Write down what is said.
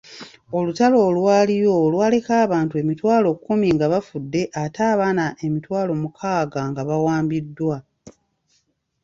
Olutalo olwaliyo lwaleka abantu emitwalo kumi nga bafudde ate abaana emitwalo mukaaga nga bawambiddwa.